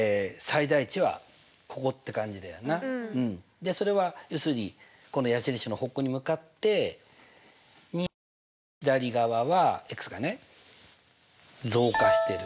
でそれは要するにこの矢印の方向に向かって２より左側はがね増加してる。